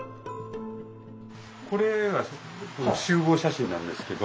これは集合写真なんですけど。